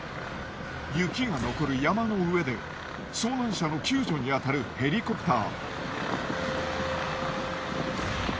雪が残る山の上で遭難者の救助にあたるヘリコプター。